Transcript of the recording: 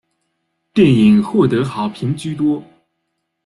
电影获得好评居多。